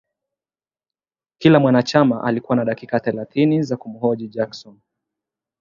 Kila mwanachama alikuwa na dakika thelathini za kumhoji Jackson